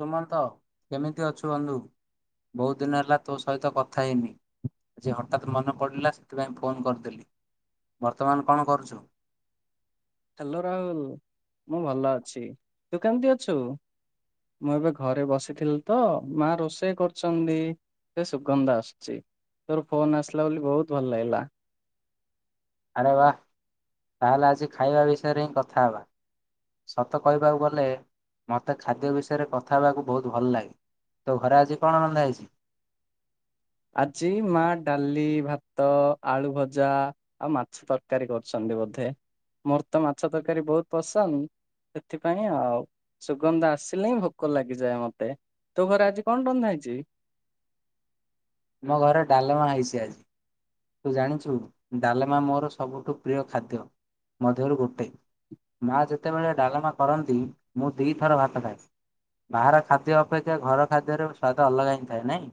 ସୁମନ୍ତ କେମିତି ଅଛୁ ବନ୍ଧୁ? ବହୁତ ଦିନ ହେଲା ତୋ ସହିତ କଥା ହେଇନି। ଆଜି ହଠାତ୍ ମନେ ପଡିଲା ସେଥିପାଇଁ ଫୋନ କରିଦେଲି। ବର୍ତ୍ତମାନ କଣ କରୁଛୁ? ହ୍ୟାଲୋ ରାହୁଲ ମୁଁ ଭଲ ଅଛି। ତୁ କେମିତି ଅଛୁ? ମୁଁ ଏବେ ଘରେ ବସିଥିଲି ତ ମା ରୋଷେଇ କରୁଛନ୍ତି। ସେ ସୁଗନ୍ଧ ଆସୁଛି ତୋର ଫୋନ ଆସିଲା ବୋଲି ବହୁତ ଭଲ ଲାଗିଲା। ଆରେ ବାଃ ତାହେଲେ ଆଜି ଖାଇବା ବିଷୟରେ ହିଁ କଥା ହେବା। ସତ କହିବାକୁ ଗଲେ ମୋତେ ଖାଦ୍ୟ ବିଷୟରେ କଥା ହେବାକୁ ବହୁତ ଭଲ ଲାଗେ। ତୋ ଘରେ ଆଜି କଣ ରନ୍ଧା ହେଇଛି? ଆଜି ମାଆ ଡାଲି, ଭାତ, ଆଳୁ ଭଜା ଆଉ ମାଛ ତରକାରୀ କରୁଛନ୍ତି ବୋଧେ। ମୋର ତ ମାଛ ତରକାରୀ ବହୁତ ପସନ୍ଦ। ସେଥିପାଇଁ ଆଉ। ସୁଗନ୍ଧ ଆସିଲେ ହିଁ ଭୋକ ଲାଗିଯାଏ ମତେ। ତୋ ଘରେ ଆଜି କଣ ରନ୍ଧା ହେଇଛି? ମୋ ଘରେ ଡାଲମା ହେଇଛି ଆଜି। ତୁ ଜାଣିଛୁ ଡାଲମା ମୋର ସବୁଠୁ ପ୍ରିୟ ଖାଦ୍ୟ ମଧ୍ୟରୁ ଗୋଟେ। ମାଆ ଯେତେବେଳେ ଡାଲମା କରନ୍ତି ମୁଁ ଦିଥର ଭାତ ଖାଏ। ବାହାର ଖାଦ୍ୟ ଅପେକ୍ଷା ଘର ଖାଦ୍ୟର ସ୍ଵାଦ ଅଲଗା ହିଁ ଥାଏ, ନାଇଁ?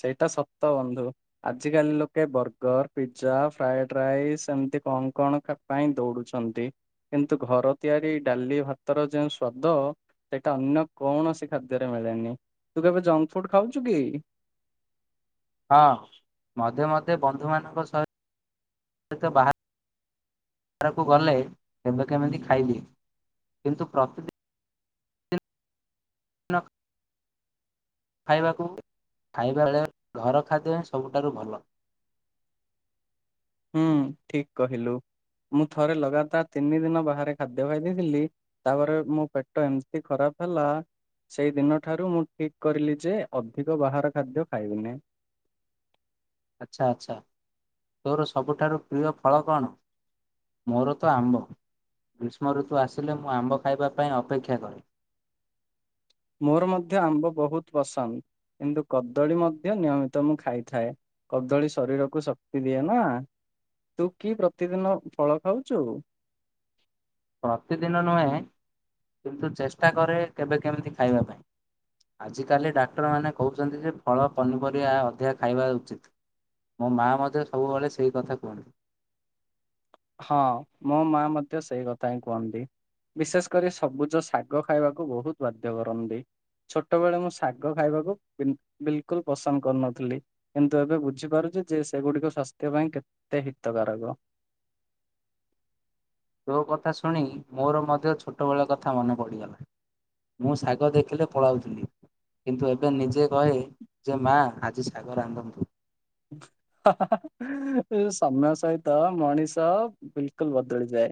ସେଇଟା ସତ ବନ୍ଧୁ। ଆଜ କାଲି ଲୋକେ ବର୍ଗର, ପିଜ୍ଜା, ଫ୍ରାଏଡ ରାଇସ୍ ଏମତି କଣ କଣ ପାଇଁ ଦୌଡୁଛନ୍ତି କିନ୍ତୁ ଘର ତିଆରି ଡାଲି ଭାତର ଯେଉଁ ସ୍ଵାଦ। ସେଇଟା ଅନ୍ୟ କୌଣସି ଖାଦ୍ୟରେ ମିଳେନି। ତୁ କେବେ ଜଙ୍କ ଫୁଡ୍ ଖାଉଛୁ କି? ହଁ ମଧେ ମଧେ ବନ୍ଧୁମାନଙ୍କ ସହି ତ ବାହାର ରକୁ ଗଲେ କେବେ କେମିତି ଖାଇଦିଏ। କିନ୍ତୁ ପ୍ରତି ନ୍ ଖାଇବାକୁ ଖାଇବା ବେଳେ ଘର ଖାଦ୍ୟ ହିଁ ସବୁଠାରୁ ଭଲ। ହୁଁ ଠିକ୍ କହିଲୁ। ମୁଁ ଥରେ ଲଗାତାର ତିନି ଦିନ ବାହାରେ ଖାଦ୍ୟ ଖାଇ ଦେଇଥିଲି ତାପରେ ମୋ ପେଟ ଏମିତି ଖରାପ ହେଲା ସେଇ ଦିନ ଠାରୁ ମୁଁ ଠିକ୍ କରିଲି ଯେ ଅଧିକ ବାହାର ଖାଦ୍ୟ ଖାଇବିିନି। ଆଚ୍ଛା ଆଚ୍ଛା ତୋର ସବୁଠାରୁ ପ୍ରିୟ ଫଳ କଣ? ମୋର ତ ଆମ୍ବ। ଗ୍ରୀଷ୍ମ ଋତୁ ଆସିଲେ ମୁଁ ଆମ୍ବ ଖାଇବା ପାଇଁ ଅପେକ୍ଷା କରେ। ମୋର ମଧ୍ୟ ଆମ୍ବ ବହୁତ ପସନ୍ଦ। କିନ୍ତୁ କଦଳୀ ମଧ୍ୟ ନିୟମିତ ମୁଁ ଖାଇଥାଏ। କଦଳୀ ଶରୀରକୁ ଶକ୍ତି ଦିଏ ନା ତୁ କି ପ୍ରତିଦିନ ଫଳ ଖାଉଛୁ? ପ୍ରତିଦିନ ନୁହେଁ କିନ୍ତୁ ଚେଷ୍ଟା କରେ କେବେ କେମିତି ଖାଇବା ପାଇଁ। ଆଜିକାଲି ଡାକ୍ତରମାନେ କହୁଛନ୍ତି ଯେ ଫଳ ପନିପରିବା ଅଧିକା ଖାଇବା ଉଚିତ୍। ମୋ ମା ମ ସବୁବେଳେ ସେଇ କଥା କୁହନ୍ତି। ହଁ ମୋ ମା ମଧ୍ୟ ସେଇ କଥା ହିଁ କୁହନ୍ତି। ବିଶେଷ କରି ସବୁଜ ଶାଗ ଖାଇବାକୁ ବହୁତ ବାଧ୍ୟ କରନ୍ତି। ଛୋଟବେଳେ ମୁଁ ଶାଗ ଖାଇବାକୁ ବିଲକୁଲ ପସନ୍ଦ କରୁନଥିଲି। କିନ୍ତୁ ଏବେ ବୁଝିପାରୁଛି ଯେ ସେଗୁଡିକ ସ୍ୱାସ୍ଥ୍ୟ ପାଇଁ କେତେ ହିତକାରକ। ତୋ କଥା ଶୁଣି ମୋର ମଧ୍ୟ ଛୋଟବେଳେଆ କଥା ମନେ ପଡ଼ିଗଲା। ମୁଁ ଶାଗ ଦେଖିଲେ ପଳାଉଥିଲି। କିନ୍ତୁ ଏବେ ନିଜେ କହେ ଯେ ମା ଆଜି ଶାଗ ରାନ୍ଧନ୍ତୁ। ସମୟ ସହିତ ମଣିଷ ବିଲକୁଲ ଓଦଳି ଯଏ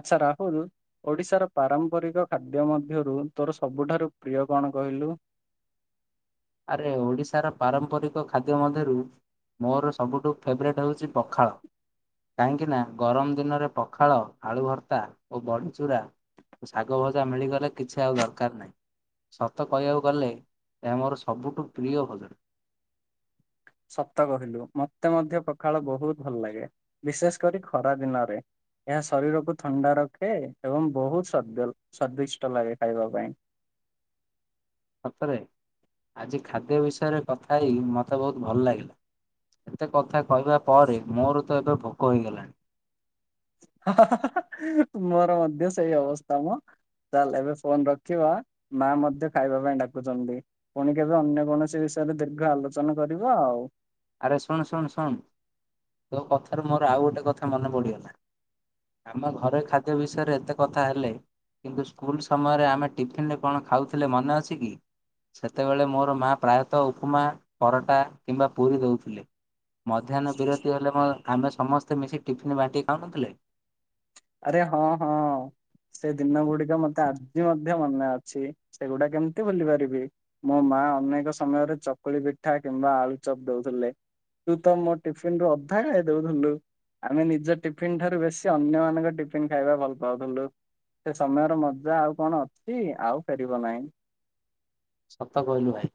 ଆଚଛା ରାହୁଲ। ଓଡିଶାର ପାରମ୍ପରିକ ଖାଦ୍ୟ ମଧ୍ୟରୁ ତୋର ସବୁଠାରୁ ପ୍ରିୟ କଣ କହିଲୁ? ଆରେ ଓଡିଶାର ପାରମ୍ପରିକ ଖାଦ୍ୟ ମଧ୍ୟରୁ ମୋର ସବୁଠୁ ଫେବରାଇଟ୍ ହେଉଛି ପଖାଳ। କାହିଁକି ନା ଗରମ ଦିନରେ ପଖାଳ ଆଳୁ ଭର୍ତ୍ତା ଓ ବଢ ଚୁରା। ଶାଗ ଭଜା ମିଳିଗଲେ କିଛି ଆଉ ଦରକାର ନାହିଁ ସତ କହିବାକୁ ଗଲେ ମୋର। ସବୁଠୁ ପ୍ରିୟ ଭଜନ। ସତ କହିଲୁ ମତେ ମଧ୍ୟ ପଖାଳ ବହୁତ ଭଲ ଲାଗେ ବିଶେଷ କରି ଖରା ଦିନରେ। ଏହା ଶରୀରକୁ ଥଣ୍ଡା ରଖେ ଏବଂ ବହୁତଦ ସ୍ଵାଦିଷ୍ଟ ଲାଗେ ଖାଇବା ପାଇଁ। ସତରେ ଆଜି ଖାଦ୍ୟ ବିଷୟରେ କଥା ହେଇ ମୋତେ ବହୁତ ଭଲ ଲାଗିଲା। ଏତେ କଥା କହିବା ପରେ ମୋର ତ ଏବେ ଭୋକ ହେଇଗଲାଣି। ମୋର ମଧ୍ୟ ସେଇ ଅବସ୍ଥା ମୁଁ। ତାଲ ଏବେ ଫୋନ ରଖିବା ମା ମଧ୍ୟ ଖାଇବା ପାଇଁ ଡାକୁଛନ୍ତି। ପୁଣି କେବେ ଅନ୍ୟ କୌଣସି ବିଷୟରେ ଦୀର୍ଘ ଆଲୋଚନା କରିବ ଆଉ। ଆରେ ଶୁଣ ଶୁଣ ଶୁଣ ତୋ କଥାରୁ ମୋର ଆଉ ଗୋଟେ କଥା ମନେ ପଡ଼ିଗଲା। ଆମ ଘରେ ଖାଦ୍ୟ ବିଷୟରେ ଏତେ କଥା ହେଲେ। କିନ୍ତୁ ସ୍କୁଲ ସମୟରେ ଆମେ ଟିଫିନରେ କଣ ଖାଉଥିଲେ ମନେ ଅଛି କି? ସେତେବେଳେ ମୋର ମାଆ ପ୍ରାୟତଃ ଉପମା ପରଟା କିମ୍ବା ପୁରୀ ଦେଉଥିଲେ ମଧ୍ୟାହ୍ନ ବିରତି ହେଲେ ମ ଆମେ ସମସ୍ତେ ମିଶି ଟିଫିନ୍ ବାଣ୍ଟିକି ଖାଉନଥିଲେ। ଆରେ ହଁ ହଁ। ସେ ଦିନ ଗୁଡିକ ମତେ ଆଜି ମଧ୍ୟ ମନେ ଅଛି ସେଗୁଡା କେମିତି ଭୁଲି ପାରିବି। ମୋ ମା ଅନେକ ସମୟରେ ଚକୁଳି ପିଠା କିମ୍ବା ଆଳୁ ଚପ ଦଉଥିଲେ। ତୁ ତ ମୋ ଟିଫିନ ରୁ ଅଧା ଖାଇ ଦଉଥିଲୁ ଆମେ ନିଜ ଟିଫିନ ଠାରୁ ବେଶୀ ଅନ୍ୟ ମଙ୍କ ଟିଫିନ ଖାଇବା ଭଲ ପାଉଥିଲୁ ସେ ସମୟର ମଜା ଆଉ କଣ ଅଛି ଆଉ ଫେରିବ ନାହିଁ। ସତ କହିଲୁ ଭାଇ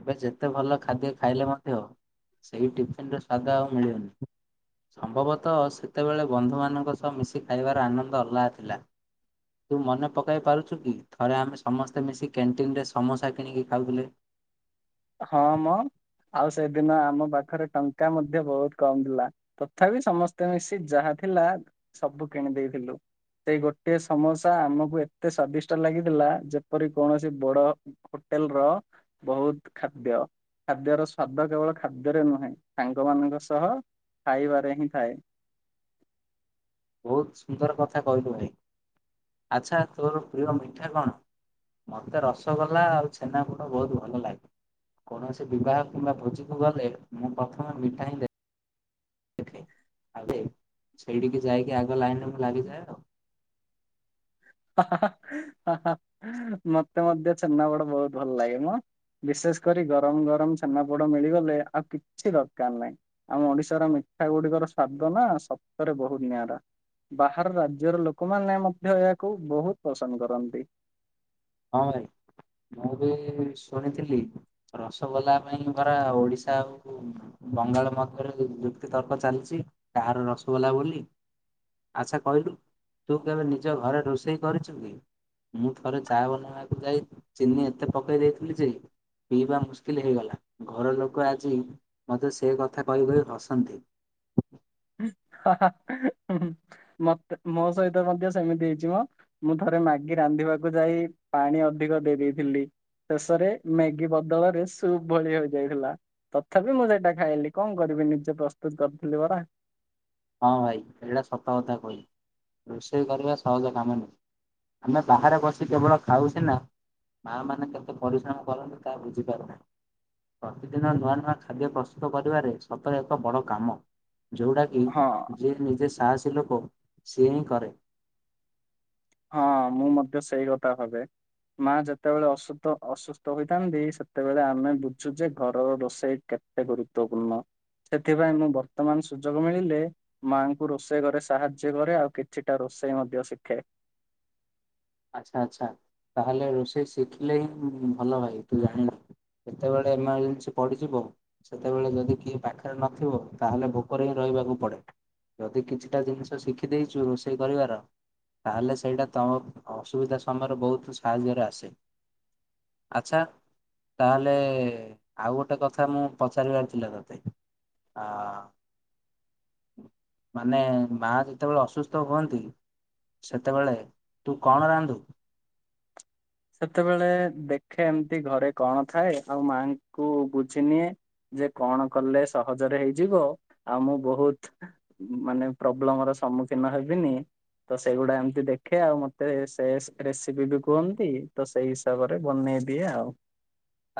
ଏବେ ଯେତେ ଭଲ ଖାଦ୍ୟ ଖାଇଲେ ମଧ୍ୟ ସେଇ ଟିଫିନ ର ସ୍ଵାଦା ଆଉ ମିଳିବନି। ସମ୍ଭବତଃ ସେତେବେଳେ ବନ୍ଧୁମାନଙ୍କ ସହ ମିଶି ଖାଇବାର ଆନନ୍ଦ ଅଲଗା ଥିଲା। ତୁ ମନେ ପକାଇ ପାରୁଛୁ କି ଥରେ ଆମେ ସମସ୍ତେ ମିଶି କ୍ୟାଣ୍ଟିନ ରେ ସମୋସା କିଣିକି ଖାଉଥିଲେ। ହଁ ମ ଆଉ ସେଦିନ ଆମ ପାଖରେ ଟଙ୍କା ମଧ୍ୟ ବହୁତ କମ ଥିଲା। ତଥାପି ସମସ୍ତେ ମିଶି ଯାହା ଥିଲା ସବୁ କିଣି ଦେଇେଇଥିଲୁ। ସେଇ ଗୋଟଏ ସମୋସା ଆମକୁ ଏତେ ସ୍ଵାଦିଷ୍ଟ ଲାଗିଥିଲା ଯେପରି କୌଣସି ବଡ ହୋଟେଲ ର ବହୁତ ଖାଦ୍ୟ ଖାଦ୍ୟର ସ୍ଵାଦ କେବଳ ଖାଦ୍ୟରେ ନୁହେଁ ସାଙ୍ଗ ମାନଙ୍କ ସହ। ଖାଇବାରେ ହିଁ ଥାଏ। ବହୁତ୍ ସୁନ୍ଦର କଥା କହିଲୁ ଭାଇ ଆଚ୍ଛା ତୋର ପ୍ରିୟ ମିଠା କଣ? ମତେ ରସଗୋଲା ଆଉ ଛେନା ପୋଡ଼ ବହୁତ୍ ଭଲ ଲାଗେ। କୌଣସି ବିବାହ କିମ୍ବା ଭୋଜିକୁ ଗଲେ ମୁଁ ପ୍ରଥମେ ମିଠା ହିଁ ଦେ ଦେଖେ ଆବେ ସେଇଠିକି ଯାଇକି ଆଗ ଲାଇନରେ ମୁଁ ଲାଗିଯାଏ ଆଉ। ମତେ ମଧ୍ୟ ଛେନା ପୋଡ଼ ବହୁତ୍ ଭଲ ଲାଗେ ମ। ବିଶେଷ କରି ଗରମ ଗରମ ଛେନାପୋଡ ମିଳିଗଲେ ଆଉ କିଛି ଦରକାର୍ ନାହିଁ। ଆମ ଓଡିଶାର ମିଠା ଗୁଡିକର ସ୍ଵାଦ ନା ସତରେ ବହୁତ୍ ନିଆରା। ବାହାର ରାଜ୍ୟର ଲୋକମାନେ ମଧ୍ୟ ଏହାକୁ ବହୁତ୍ ପସନ୍ଦ କରନ୍ତି। ହଁ ଭାଇ ମୁଁ ବି ଶୁଣିଥିଲି। ରସଗୋଲା ପାଇଁ ପରା ଓଡିଶା ଆଉ। ବଙ୍ଗାଳ ମଧ୍ୟରେ ଯୁ ଯୁକ୍ତି ତର୍କ ଚାଲିଛି କାହାର ରସଗୋଲା ବୋଲି। ଆଚ୍ଛା କହିଲୁ ତୁ କେବେ ନିଜ ଘରେ ରୋଷେଇ କରିଛୁ କି ମୁଁ ଥରେ। ଚା ବନେଇବାକୁ ଯାଇ ଚିନି ଏତେ ପକେଇ ଦେଇଥିଲି ଯେ। ପିଇବା ମୁସ୍କିଲ୍ ହେଇଗଲା ଘର ଲୋକ ଆଜି। ମତେ ସେ କଥା କହି କହି ହସାନ୍ତି। ମତେ ମ ସହିତ ମଧ୍ୟ ସେମିତି ହେଇଚି ମ। ମୁଁ ଥରେ ମ୍ୟାଗି ରାନ୍ଧିବାକୁ ଯାଇ ପାଣି ଅଧିକ ଦେଇ ଦେଇଥିଲି। ଶେଷରେ ମ୍ୟାଗି ବଦଳରେ ସୁପ୍ ଭଳି ହୋଇଯାଇଥିଲା। ତଥାପି ମୁଁ ସେଇଟା ଖାଇଲି କଣ କରିବି ନିଜେ ପ୍ରସ୍ତୁତ୍ କରିଥିଲି ପରା। ହଁ ଭାଇ ଏଇଟା ସତ କଥା କହିଲ ରୋଷେଇ କରିବା ସହଜ କାମ ନୁଁ। ଆମେ ବାହାରେ ବସି କେବଳ ଖାଉଛେ ନା। ମା ମାନେ କେତେ ପରିଶ୍ରମ କରନ୍ତି ତାହା ବୁଝିପାରୁନା। ପ୍ରତିଦିନ ନୂଆ ନୂଆ ଖାଦ୍ୟ ପ୍ରସ୍ତୁତ କରିବାରେ ସତରେ ଏକ ବଡ କାମ ଯୋଉଟା। କି ହଁ ଯିଏ ନିଜେ ସାହସୀ ଲୋକ ସିଏ ହିଁ କରେ। ହଁ ମୁଁ ମଧ୍ୟ ସେଇ କଥା ଭାବେ। ମା ଯେତେବେଳେ ଅସୁତ ଅସୁସ୍ଥ ହୋଇଥାନ୍ତି ସେତେବେଳେ ଆମେ ବୁଝୁ ଯେ ଘରର ରୋଷେଇ କେ ତେ ଗୁରୁତ୍ୱପୂର୍ଣ୍ଣ ସେଥିପାଇଁ ମୁଁ ବର୍ତ୍ତମାନ୍ ସୁଯୋଗ ମିଳିଲେ। ମାଆ ଙ୍କୁ ରୋଷେଇ ଘରେ ସାହାଯ୍ୟ କରେ ଆଉ କିଛିଟା ରୋଷେଇ ମଧ୍ୟ ଶିଖେ। ଆଚ୍ଛା ଆଚ୍ଛା ତାହେଲେ ରୋଷେଇ ଶିଖିଲେ ହିଁ ଭଲ ଭାଇ ତୁ ଜାଣିନୁ। କେତେବେଳେ ଏମର୍ଜେନ୍ସି ପଡିଯିବ। ସେତେବେଳେ ଯଦି କିଏ ପାଖରେ ନଥିବ ତାହେଲେ ଭୋକରେ ହିଁ ରହିବାକୁ ପଡେ। ଯଦି କିଛିଟା ଜିନିଷ ଶିଖିଦେଇଛୁ ରୋଷେଇ କରିବାର ତାହେଲେ ସେଇଟା ତମ। ଅସୁବିଧା ସମୟରେ ବହୁତୁ ସାହାଯ୍ୟରେ ଆସେ ଆଚ୍ଛା। ତାହେଲେ ଆଉ ଗୋଟେ କଥା ମୁଁ ପଚାରିବାର ଥିଲା ତତେ। ଆ। ମାନେ ମା ଯେତେବେଳେ ଅସୁସ୍ଥ ହୁଅନ୍ତି ସେତେବେଳେ। ତୁ କଣ ରାନ୍ଧୁ? ସେତେବେଳେ ଦେଖେ ଏମତି ଘରେ କଣ ଥାଏ ଆଉ ମାଆଙ୍କୁ ବୁଝି ନିିଏ। ଯେ କଣ କଲେ ସହଜରେ ହେଇଯିବ ଆଉ ମୁଁ ବହୁତ୍। ମାନେ ପ୍ରୋବ୍ଲେମ ର ସମ୍ମୁଖୀନ ହେବିନି। ତ ସେଇଗୁଡା ଏମତି ଦେଖେ ଆଉ ମତେ ସେସ୍ ରେସିପି ବି କୁହନ୍ତି। ତ ସେଇ ହିସାବରେ ବନେଇ ଦିଏ ଆଉ।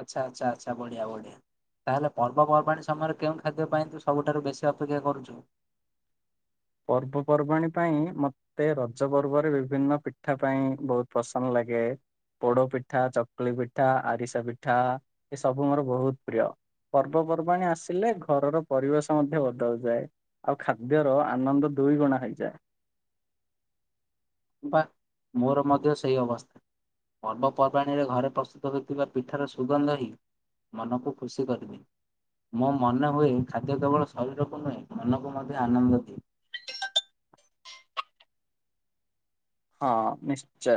ଆଚ୍ଛା ଆଚ୍ଛା ଆଚ୍ଛା ବଢ଼ିଆ ବଢ଼ିଆ। ତାହେଲେ ପର୍ବପର୍ବାଣି ସମୟରେ କେଉଁ ଖାଦ୍ୟ ପାଇଁ ତୁ ସବୁଠାରୁ ବେଶୀ ଅପେକ୍ଷା କରୁଛୁ? ପର୍ବପର୍ବାଣୀ ପାଇଁ ମ ମତେ ରଜ ପର୍ବରେ ବିଭିନ୍ନ ପିଠା ପାଇଁ ବହୁତ ପସନ୍ଦ ଲାଗେ। ପୋଡ ପିଠା, ଚକୁଳି ପିଠା, ଆରିସା ପିଠା ଏ ସବୁ ମୋର ବହୁତ ପ୍ରିୟ। ପର୍ବପର୍ବାଣୀ ଆସିଲେ ଘରର ପରିବେଶ ମଧ୍ୟ ବଦଳି ଯାଏ, ଆଉ ଖାଦ୍ୟର ଆନନ୍ଦ ଦୁଇ ଗୁଣା ହେଇଯାଏ। ବାଃ ମୋର ମଧ୍ୟ ସେଇ ଅବସ୍ଥା। ପର୍ବପର୍ବାଣିରେ ଘରେ ପ୍ରସ୍ତୁତ ହେଉଥିବା ପିଠାର ସୁଗନ୍ଧହି ମନକୁ ଖୁସି କରିଦିଏ। ମୋ ମନେ ହୁଏ ଖାଦ୍ୟ କେବଳ ଶରୀରକୁ ନୁହେଁ ମନକୁ ମଧ୍ୟ ଆନନ୍ଦ ଦିଏ। ହଁ ନିଶ୍ଚୟ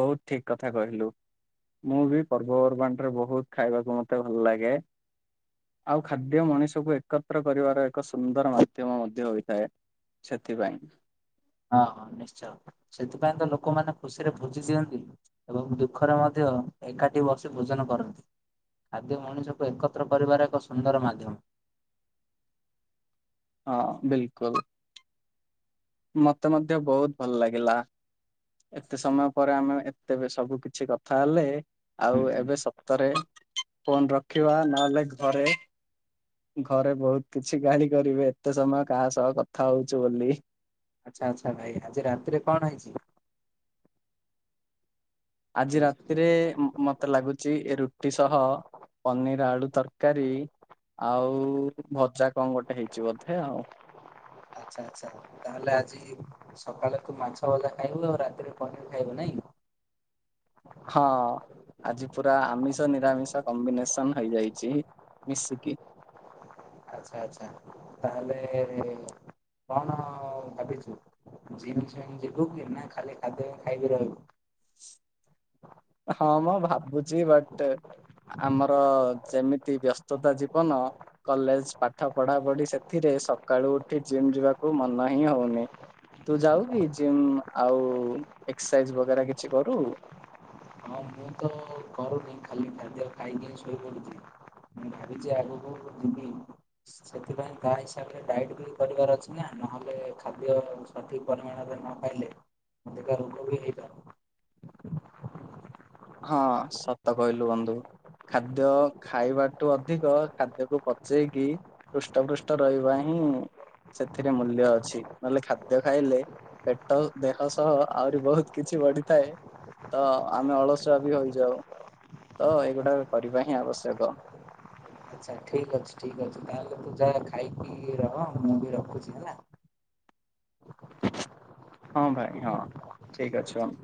ବହୁତ ଠିକ୍ କଥା କହିଲୁ। ମୁଁ ବି ପର୍ବପର୍ବାଣୀରେ ବହୁତ ଖାଇବାକୁ ମତେ ଭଲ ଲାଗେ। ଆଉ ଖାଦ୍ୟ ମଣିଷକୁ ଏକତ୍ର କରିବାର ଏକ ସୁନ୍ଦର ମାଧ୍ୟମ ମଧ୍ୟ ହୋଇଥାଏ। ସେଥିପାଇଁ। ହଁ ହଁ ନିଶ୍ଚୟ ସେଥିପାଇଁ ତ ଲୋକମାନେ ଖୁସିରେ ଭୋଜି ଦିଅନ୍ତି। ଏବଂ ଦୁଃଖରେ ମଧ୍ୟ ଏକାଠି ବସି ଭୋଜନ କରନ୍ତି। ଖାଦ୍ୟ ମଣିଷକୁ ଏକତ୍ର କରିବାର ଏକ ସୁନ୍ଦର ମାଧ୍ୟମ। ହଁ ବିଲକୁଲ। ମତେ ମଧ୍ୟ ବହୁତ ଭଲ ଲାଗିଲା। ଏତେ ସମୟ ପରେ ଆମେ ଏତେ ସବୁ କିଛି କଥା ହେଲେ ହୁଁ ଆଉ ହୁଁ। ଏବେ ସତରେ ଫୋନ ରଖିବା ନହେଲେ ଘରେ ଘରେ ବହୁତ କିଛି ଗାଳି କରିବେ ଏତେ ସମୟ କାହା ସହ କଥା ହଉଛୁ ବୋଲି। ଆଚ୍ଛା ଆଚ୍ଛା ଭାଇ ଆଜି ରାତିରେ କଣ ହେଇଛି? ଆଜି ହେଇଛି? ରାତିରେ ମ ମତେ ଲାଗୁଛି ଏ ରୁଟି ସହ ପନିର ଆଳୁ ତରକାରୀ ଆଉ ଭଜା କଁ ଗୋଟେ ହେଇଛି ବୋଧେ ଆଉ। ଆଚ୍ଛା ଆଚ୍ଛା ତାହେଲେ ଆଜି ସକାଳେ ତୁ ମାଛ ଭଜା ଖାଇବୁ ଆଉ ରାତିରେ ପନିର ଖାଇବୁ ନାଇଁ। ହଁ। ଆଜି ପୁରା ଆମିଷ ନିରାମିଷ କମ୍ବିନେସନ ହେଇଯାଇଛି ମିଶିକି। ଆଛା ଆଛା ତାହେଲେ କଣ ଭାବିଛୁ ଜିମ୍ ଛିମ୍ ଯିବୁ କି ନା ଖାଲି ଖାଦ୍ୟ ଖାଇକି ରହିବୁ। ହଁ ମ ଭାବୁଛି ବଟ ଆମର ଯେମିତି ବ୍ୟସ୍ତତା ଜୀବନ କଲେଜ ପାଠ ପଢା ପଢି ସେଥିରେ ସକାଳୁ ଉଠି ଜିମ୍ ଯିବାକୁ ମନ ହିଁ ହଉନି। ତୁ ଯାଉ କି ଜିମ୍ ଆଉ ଏକ୍ସରସାଇଜ୍ ବଗେରା କିଛି କରୁ? ହଁ ମୁଁ ତ କରୁନି ଖାଲି ଖାଦ୍ୟ ଖାଇକି ହିଁ ଶୋଇପଡୁଛି। ମୁଁ ଭାବିଛି ଆଗକୁ ଯିବି। ସେଥିପାଇଁ ତା ହିସାବରେ ଡାଇଟ୍ ବି କରିବାର ଅଛି ନା ନହେଲେ ଖାଦ୍ୟ ସଠିକ ପରିମାଣରେ ନ ଖାଇଲେ ଅଧିକା ରୋଗ ବି ହେଇପାରେ। ହଁ ସତ କହିଲୁ ବନ୍ଧୁ। ଖାଦ୍ୟ ଖାଇବାଠୁ ଅଧିକ ଖାଦ୍ୟକୁ ପଚେଇକି ହୃଷ୍ଟପୃଷ୍ଟ ରହିବା ହିଁ ସେଥିରେ ମୂଲ୍ୟ ଅଛି ନହେଲେ ଖାଦ୍ୟ ଖାଇଲେ ପେଟ ଦେହ ସହ ଆହୁରି ବହୁତ କିଛି ବଢିଥାଏ, ତ ଆମେ ଅଳସୁ ଟ ହୋଇଯାଉ ତ ଏଇଗୁଡା କରିବା ହିଁ ଆବଶ୍ୟକ। ଆଛା ଠିକ୍ ଅଛି ଠିକ୍ ଅଛି ତାହେଲେ ତୁ ଯା ଖାଇକି ରହ ମୁଁ ବି ରଖୁଛି ହେଲା। ହଁ ଭାଇ ହଁ ଠିକ୍ ଅଛି ହଉ।